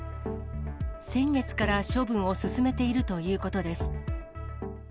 先月から処分を進めているということです。